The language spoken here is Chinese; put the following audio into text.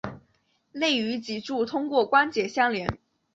肋与脊柱通过关节相连。